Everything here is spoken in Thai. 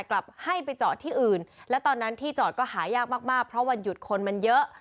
และตอนนั้นที่จอดก็หายากมากเพราะวันหยุดคนมันเยอะ